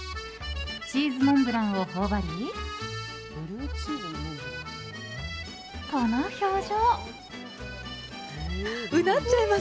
チーズモンブランを頬張りこの表情！